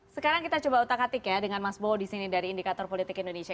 sekarang kita coba utakatik ya dengan mas bowo di sini dari indikator politik indonesia